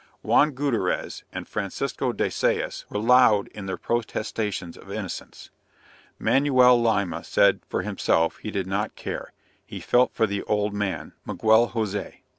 Juan Gutterez and Francisco de Sayas were loud in their protestations of innocence. Manuel Lima said, for himself, he did not care; he felt for the old man (Miguel Jose).